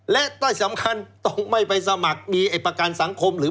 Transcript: และต้อยสำคัญต้องไม่ไปสมัครบัตรภาคสังคม